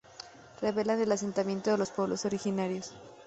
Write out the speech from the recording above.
Revelan el asentamiento de los pueblos originarios.